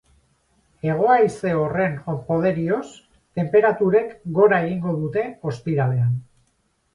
Hego-haize horren poderioz, tenperaturek gora egingo dute ostiralean.